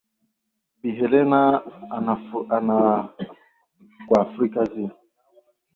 bi hellen unafikiri nchi za afrika zifanye nini sasa